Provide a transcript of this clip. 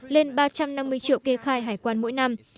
lên ba trăm năm mươi triệu kê khai hải quan mỗi năm